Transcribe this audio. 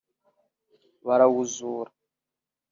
barawuzura